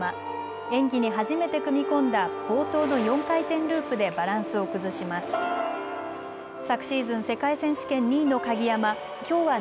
演技に初めて組み込んだ冒頭の４回転ループでバランスを崩します。